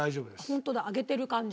ホントだ揚げてる感じ。